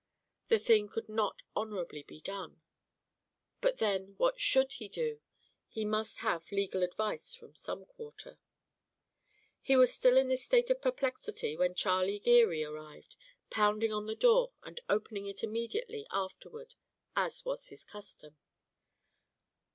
The thing could not honourably be done. But, then, what should he do? He must have legal advice from some quarter. He was still in this state of perplexity when Charlie Geary arrived, pounding on the door and opening it immediately afterward as was his custom.